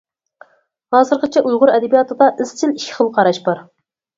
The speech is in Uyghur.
ھازىرغىچە ئۇيغۇر ئەدەبىياتىدا ئىزچىل ئىككى خىل قاراش بار.